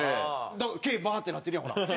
だから毛バーッてなってるやんほら！